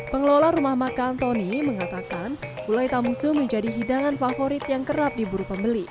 pengelola rumah makan tony mengatakan gulai tamusu menjadi hidangan favorit yang kerap diburu pembeli